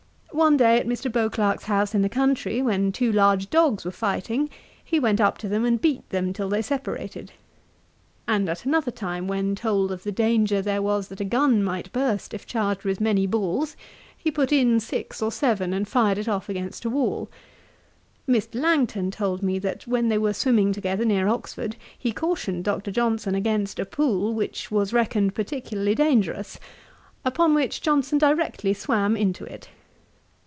One day, at Mr. Beauclerk's house in the country, when two large dogs were fighting, he went up to them, and beat them till they separated; and at another time, when told of the danger there was that a gun might burst if charged with many balls, he put in six or seven, and fired it off against a wall. Mr. Langton told me, that when they were swimming together near Oxford, he cautioned Dr. Johnson against a pool, which was reckoned particularly dangerous; upon which Johnson directly swam into it.